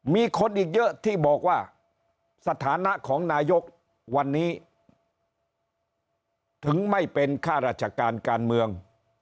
มีคนอีกเยอะที่บอกว่าสถานะของนายกวันนี้ถึงไม่เป็นข้าราชการการเมือง